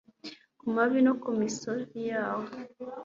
Ku mavi no ku misozi yaho